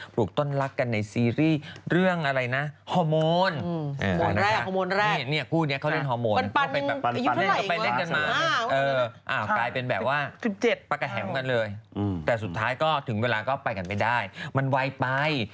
ประแหงกันเลยแต่สุดท้ายก็ถึงเวลาก็ไปกันไม่ได้มันไวไป